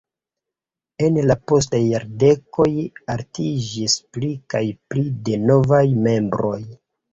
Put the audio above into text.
En la postaj jardekoj aliĝis pli kaj pli da novaj membroj.